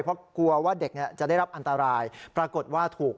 เพราะกลัวว่าเด็กจะได้รับอันตรายปรากฏว่าถูก